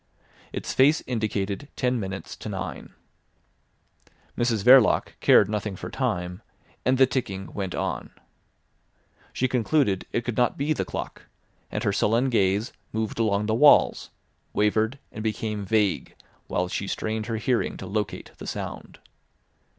Its face indicated ten minutes to nine. Mrs Verloc cared nothing for time, and the ticking went on. She concluded it could not be the clock, and her sullen gaze moved along the walls, wavered, and became vague, while she strained her hearing to locate the sound.